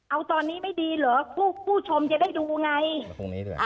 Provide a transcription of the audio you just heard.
เอาตอนนี้ไม่ดีเหรอผู้ชมจะได้ดูไง